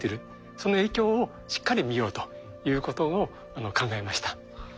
その影響をしっかり見ようということを考えました。